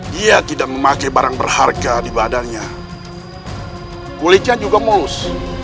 dia tidak memakai barang berharga di badannya kulitnya juga mous